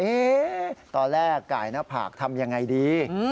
เอ๊ะตอนแรกไก่หน้าผากทำอย่างไรดี